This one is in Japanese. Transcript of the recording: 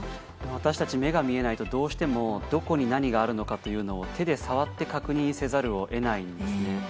私たち目が見えないとどうしても、どこに何があるかを手で触って確認せざるを得ないんですよね。